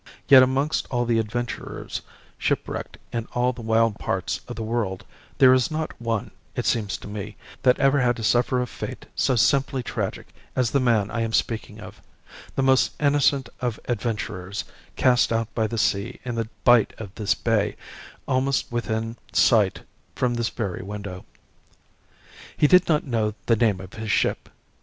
Yet amongst all the adventurers shipwrecked in all the wild parts of the world there is not one, it seems to me, that ever had to suffer a fate so simply tragic as the man I am speaking of, the most innocent of adventurers cast out by the sea in the bight of this bay, almost within sight from this very window. "He did not know the name of his ship.